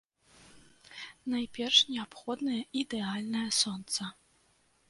Найперш неабходнае ідэальнае сонца.